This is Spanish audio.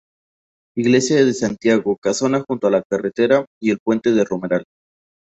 Iglesia de Santiago, casona junto a la carretera y el puente del Romeral.